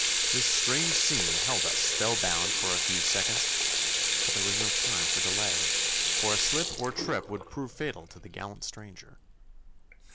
This strange scene held us spell bound for a few seconds, but there was no time for delay, for a slip or trip would prove fatal to the gallant stranger.